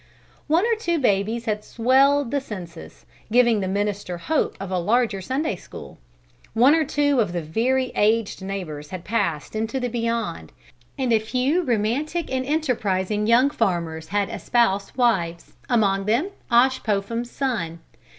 One or two babies had swelled the census, giving the minister hope of a larger Sunday School; one or two of the very aged neighbors had passed into the beyond; and a few romantic and enterprising young farmers had espoused wives, among them Osh Popham's son.